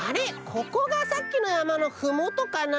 ここがさっきのやまのふもとかな？